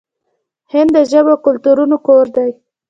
هند د ژبو او کلتورونو کور دی.